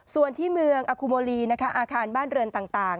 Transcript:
ส่วนที่เมืองอคูโมลีนะคะอาคารบ้านเรือนต่าง